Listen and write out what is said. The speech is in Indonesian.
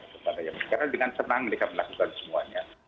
karena dengan senang mereka melakukan semuanya